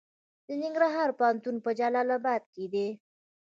د ننګرهار پوهنتون په جلال اباد کې دی